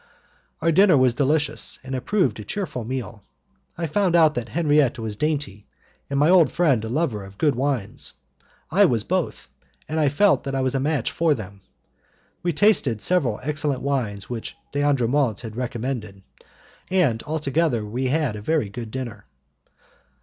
Our dinner was delicious, and it proved a cheerful meal. I found out that Henriette was dainty, and my old friend a lover of good wines. I was both, and felt that I was a match for them. We tasted several excellent wines which D'Andremont had recommended, and altogether we had a very good dinner.